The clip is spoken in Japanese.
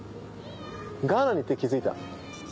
ガーナに行って気付いた。